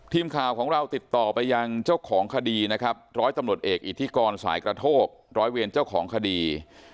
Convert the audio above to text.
ทีมข่าวของเราติดต่อไปยังเจ้าของคดีนะครับร้อยตำรวจเอกอิทธิกรสายกระโทกร้อยเวรเจ้าของคดี